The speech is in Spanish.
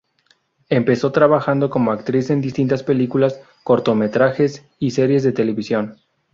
Empezó trabajando como actriz en distintas películas, cortometrajes y series de televisión.